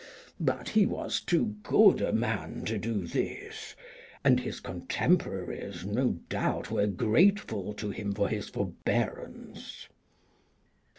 But he was too good a man to do this, and his contemporaries no doubt were grateful to him for his forbearance."